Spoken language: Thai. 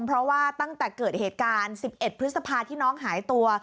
เพราะว่าตั้งแต่เกิดเหตุการณ์๑๑พฤษภาที่น้องหายตัว